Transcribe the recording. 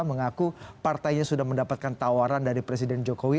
mengaku partainya sudah mendapatkan tawaran dari presiden jokowi